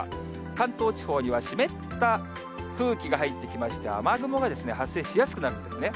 関東地方には湿った空気が入ってきまして、雨雲が発生しやすくなるんですね。